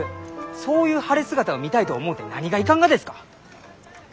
そういう晴れ姿を見たいと思うて何がいかんがですか！？